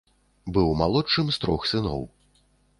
Быў малодшым з трох сыноў.